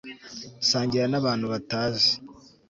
sangira n'abantu batazi